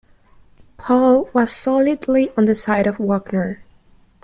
Pohl was solidly on the side of Wagner.